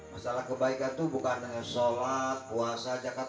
masalah kebaikan itu bukan dengan sholat puasa